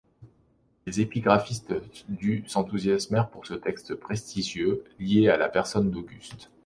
Les épigraphistes du s'enthousiasmèrent pour ce texte prestigieux lié à la personne d'Auguste.